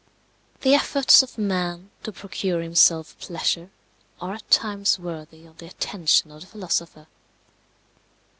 The efforts of man to procure himself pleasure are at times worthy of the attention of the philosopher.